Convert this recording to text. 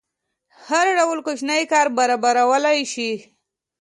هر ډول کوچنی کار برابرولی شي.